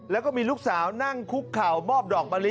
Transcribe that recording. แล้วก็มีลูกสาวนั่งคุกเข่ามอบดอกมะลิ